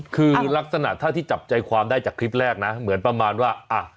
คือลักษณะถ้าที่จับใจความได้จากคลิปแรกนะเหมือนประมาณว่าอ่ะ